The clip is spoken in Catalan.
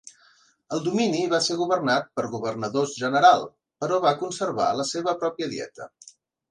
El domini va ser governat per Governadors General, però va conservar la seva pròpia dieta.